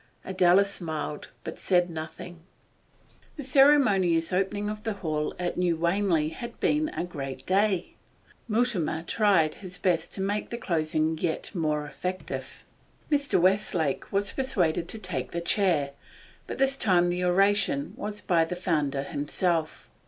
Adela smiled, but said nothing. The ceremonious opening of the hall at New Wanley had been a great day; Mutimer tried his best to make the closing yet more effective. Mr. Westlake was persuaded to take the chair, but this time the oration was by the founder himself.